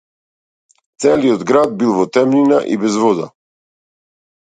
Целиот град бил во темнина и без вода.